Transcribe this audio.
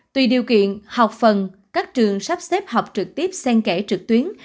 tùy điều kiện học phần các trường sắp xếp học trực tiếp sen kẻ trực tuyến